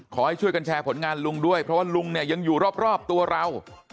ขอให้ช่วยกันแชร์ผลงานลุงด้วยเพราะว่าลุงเนี่ยยังอยู่รอบตัวเรา